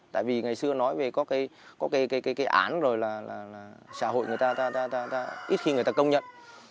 tại vì ngày xưa nói về có cái có cái án rồi là xã hội người ta ít khi người ta công nhận